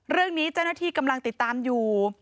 เรื่องนี้เจ้าหน้าธิอยู่ติดตามอยู่